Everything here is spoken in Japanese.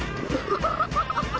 ハハハハ！